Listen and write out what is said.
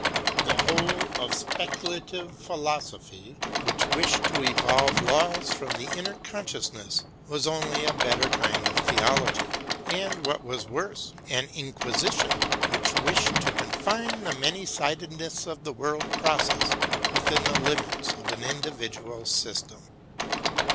The whole of speculative philosophy which wished to evolve laws from the inner consciousness was only a better kind of theology, and what was worse, an inquisition, which wished to confine the many sidedness of the world process within the limits of an individual system.